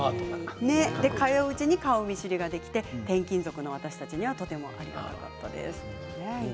通ううちに顔見知りができて転勤族の私たちにはとてもありがたかったです。